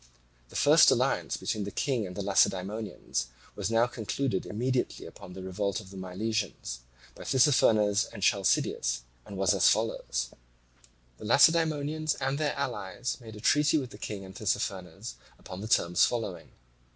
The first alliance between the King and the Lacedaemonians was now concluded immediately upon the revolt of the Milesians, by Tissaphernes and Chalcideus, and was as follows: The Lacedaemonians and their allies made a treaty with the King and Tissaphernes upon the terms following: 1.